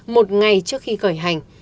một ngày trước khi khởi hành